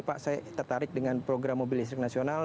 pak saya tertarik dengan program mobil listrik nasional